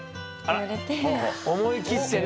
思い切ってね。